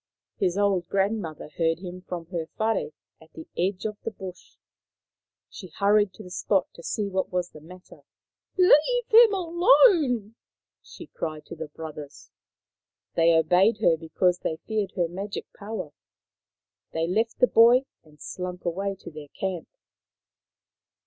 His old grandmother heard him from her whare at the edge of the bush. She hurried to the spot to see what was the matter. " Leave him alone !" she called to the brothers. They obeyed her because they feared her magic power. They left the boy and slunk away to their camp.